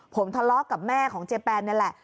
ผมทะเลาะกับแม่ของเจแปนนี่แหละ